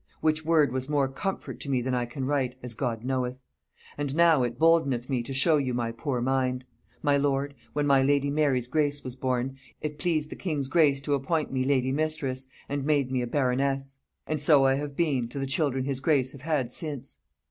Which word was more comfort to me than I can write, as God knoweth. And now it boldeneth me to show you my poor mind. My lord, when my lady Mary's grace was born, it pleased the king's grace to [appoint] me lady mistress, and made me a baroness. And so I have been to the children his grace have had since.